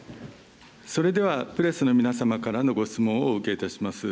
それでは、プレスの皆様からのご質問をお受けいたします。